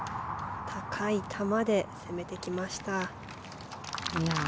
高い球で攻めてきました。